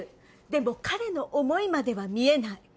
「でも彼の思いまでは見えない」